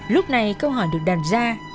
lúc này câu hỏi được đàn ra